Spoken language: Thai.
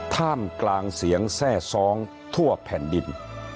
ท่ามกลางเสียงแทร่ซ้องทั่วแผ่นดิน